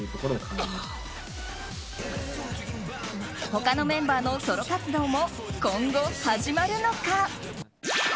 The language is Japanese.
他のメンバーのソロ活動も今後、始まるのか？